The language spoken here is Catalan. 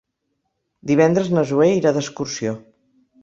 Divendres na Zoè irà d'excursió.